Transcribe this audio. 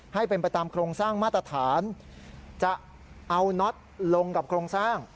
ให้เป็นไปตามโครงสร้างมาตรฐานจะเอาน็อตลงกับโครงสร้าง